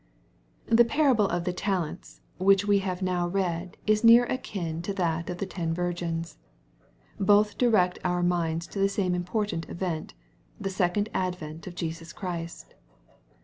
The parable of the talents which we have now read IB near akin to that of the ten virgins. Both direct our minds to the same important event, the second advent of Jesus Christ.